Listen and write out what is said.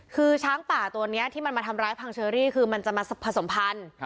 คือช้างป่าตัวนี้ที่มันมาทำร้ายพังเชอรี่คือมันจะมาผสมพันธุ์